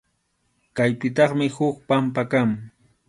Kaypitaqmi huk pampa kan.